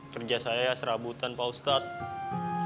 kerja saya serabutan pak ustadz